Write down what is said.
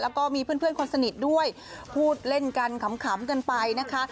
แล้วก็มีเพื่อนคนสนิทด้วยพูดเล่นกันขำกันไปนะคะ